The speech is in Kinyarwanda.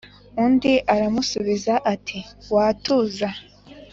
Undi aramusubiza ati: "Watuza!